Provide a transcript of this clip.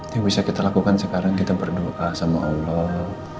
yang bisa kita lakukan sekarang kita berdoa sama allah